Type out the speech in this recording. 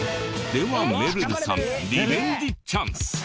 ではめるるさんリベンジチャンス！